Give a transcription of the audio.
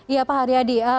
iya pak haryadi